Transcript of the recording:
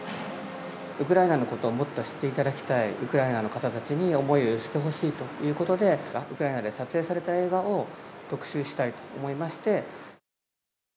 ウクライナのことをもっと知っていただきたい、ウクライナの方たちに、思いを寄せてほしいということで、ウクライナで撮影された映画を特集したいと思いまして。